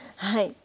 はい。